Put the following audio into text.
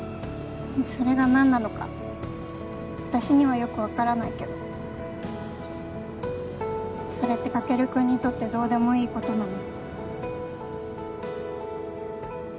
それが何なのか私にはよく分からないけどそれってカケル君にとってどうでもいいことなの？